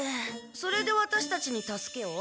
それでワタシたちに助けを？